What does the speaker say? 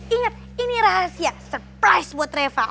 ingat ini rahasia surprise buat reva